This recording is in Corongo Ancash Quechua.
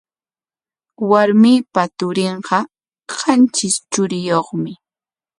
Warmiipa turinqa qantris churiyuqmi.